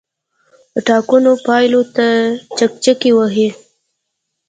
ټاکنو پایلو ته چکچکې وهي.